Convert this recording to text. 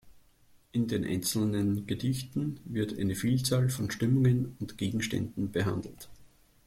In den einzelnen Gedichten wird eine Vielzahl von Stimmungen und Gegenständen behandelt.